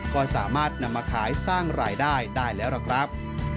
ก็สามารถนำมาขายสร้างรายได้ได้แล้วล่ะครับ